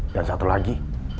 dan satu lagi